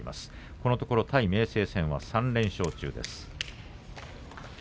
このところ対明生戦は３連勝中です。